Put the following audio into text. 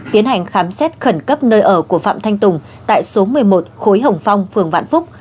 tiến hành khám xét khẩn cấp nơi ở của phạm thanh tùng tại số một mươi một khối hồng phong phường vạn phúc